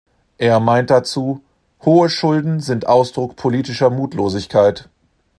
Er meint dazu: "Hohe Schulden sind Ausdruck politischer Mutlosigkeit.